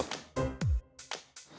oh iya deket musola tuh